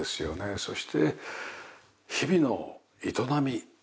そして日々の営み。